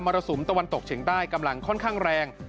รสุมตะวันตกเฉียงใต้กำลังค่อนข้างแรง